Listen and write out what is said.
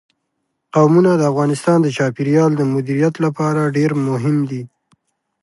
قومونه د افغانستان د چاپیریال د مدیریت لپاره ډېر مهم دي.